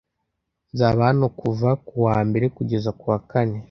Nzaba hano kuva kuwa mbere kugeza kuwa kane.